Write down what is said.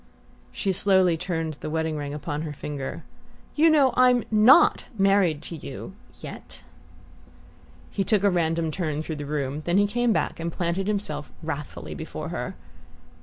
She slowly turned the wedding ring upon her finger. "You know I'm NOT married to you yet!" He took a random turn through the room; then he came back and planted himself wrathfully before her.